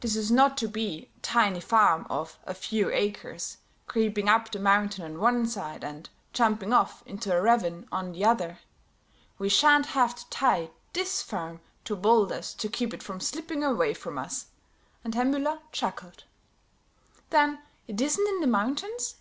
This is not to be a tiny farm of a few acres, creeping up the mountain on one side and jumping off into a ravine on the other. We sha'n't have to tie this farm to boulders to keep it from slipping away from us." And Herr Müller chuckled. "Then it isn't in the mountains?"